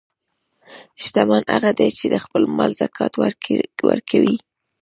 شتمن هغه دی چې د خپل مال زکات ورکوي.